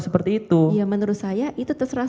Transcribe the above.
seperti itu ya menurut saya itu terserah